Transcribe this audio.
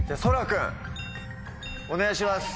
お願いします。